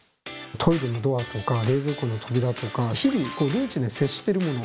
トイレのドアとか冷蔵庫の扉とか日々ルーチンで接してるもの。